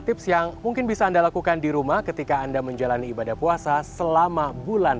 tips yang mungkin bisa anda lakukan di rumah ketika anda menjalani ibadah puasa selama bulan